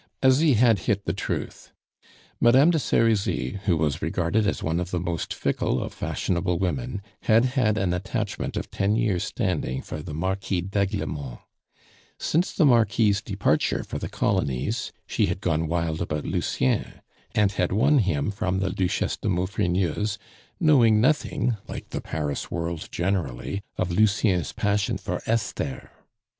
Asie had hit the truth. Madame de Serizy, who was regarded as one of the most fickle of fashionable women, had had an attachment of ten years' standing for the Marquis d'Aiglemont. Since the Marquis' departure for the colonies, she had gone wild about Lucien, and had won him from the Duchesse de Maufrigneuse, knowing nothing like the Paris world generally of Lucien's passion for Esther.